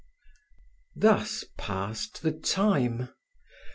Thus passed the time.